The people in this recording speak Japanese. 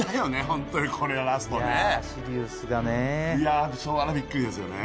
ホントにこれはラストねいやシリウスがねあれビックリですよね